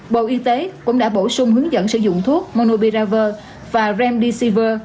bộ y tế cũng đã bổ sung hướng dẫn sử dụng thuốc monopirover và remdesivir